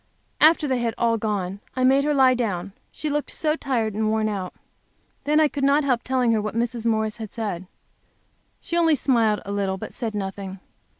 After they had all gone, I made her lie down, she looked so tired and worn out. Then, I could not help telling her what Mrs. Morris had said. She only smiled a little, but said nothing.